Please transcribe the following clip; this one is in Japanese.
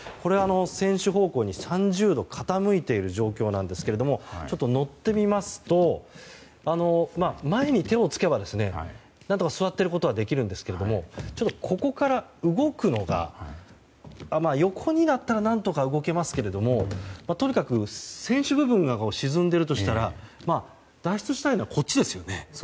船首方向に３０度傾いている状況なんですけども乗ってみますと前に手をつけば何とか座っていることはできるんですけどここから動くのが横にだったら何とか動けますけどもとにかく船首部分が沈んでいるとしたら脱出したいのはこっちですよね。